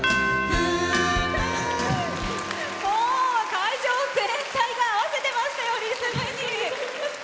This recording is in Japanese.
会場全体が合わせてましたよ、リズムに。